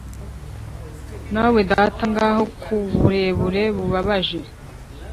nawe, data, ngaho ku burebure bubabaje,